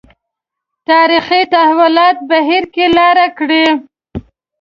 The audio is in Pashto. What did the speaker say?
تاریخي تحولاتو بهیر کې لاره کړې.